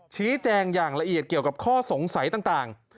ชี้แจงอย่างละเอียดเกี่ยวกับข้อสงสัยต่าง